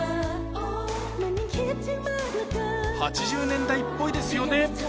８０年代っぽいですよね